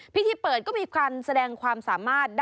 พิธีเปิดก็มีการแสดงความสามารถ